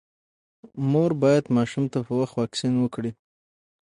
مور باید ماشوم ته په وخت واکسین وکړي۔